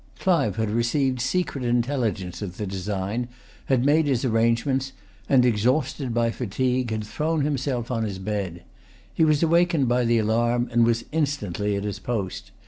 Clive had received secret intelligence of the design, had made his arrangements, and, exhausted by fatigue, had thrown himself on his bed. He was awakened by the alarm, and was instantly at his post.